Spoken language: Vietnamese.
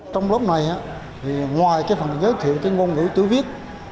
trong lớp này ngoài phần giới thiệu ngôn ngữ tứ viết